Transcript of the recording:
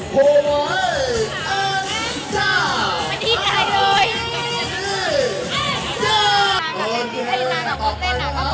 โหโดยเผื่อแล้วค่ะ